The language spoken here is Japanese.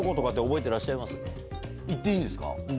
言っていいんですか？